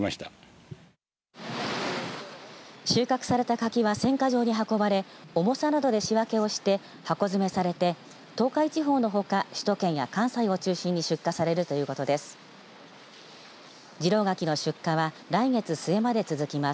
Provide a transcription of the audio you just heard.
収穫された柿は選果場に運ばれ重さなどで仕分けをして箱詰めされて、東海地方のほか首都圏や関西を中心に出荷されるということです。